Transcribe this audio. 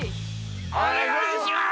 おねがいします！